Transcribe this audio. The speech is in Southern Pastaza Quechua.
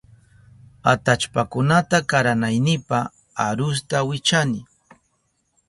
Atallpakunata karanaynipa arusta wichani.